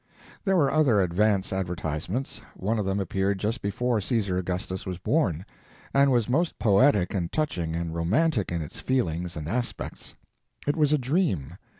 There were other advance advertisements. One of them appeared just before Caesar Augustus was born, and was most poetic and touching and romantic in its feelings and aspects. It was a dream.